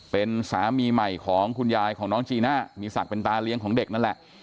เป็นสามีใหม่ของคุณยายของน้องจีน่ามีศักดิ์เป็นตาเลี้ยงของเด็กนั่นแหละ